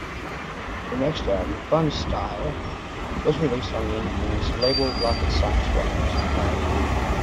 Her next album, "Funstyle", was released on the independent label Rocket Science Records.